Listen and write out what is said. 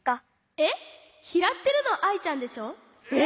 えっ？きらってるのはアイちゃんでしょ？